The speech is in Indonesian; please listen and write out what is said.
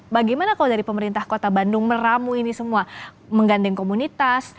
bagaimana kalau dari pemerintah kota bandung meramu ini semua menggandeng komunitas